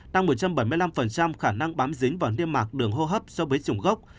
tăng một trăm bảy mươi năm khả năng bám dính vào niêm mạc đường hô hấp so với chủng gốc